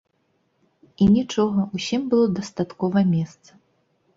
І нічога, усім было дастаткова месца.